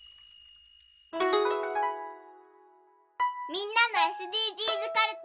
みんなのＳＤＧｓかるた。